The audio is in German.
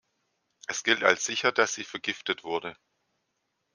Es gilt als sicher, dass sie vergiftet wurde.